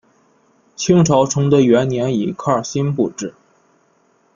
清朝崇德元年以科尔沁部置。